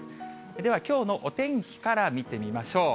ではきょうのお天気から見てみましょう。